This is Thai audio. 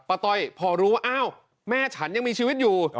ต้อยพอรู้ว่าอ้าวแม่ฉันยังมีชีวิตอยู่